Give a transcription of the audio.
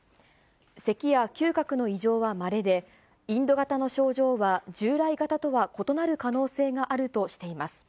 せきや嗅覚の異常はまれで、インド型の症状は、従来型とは異なる可能性があるとしています。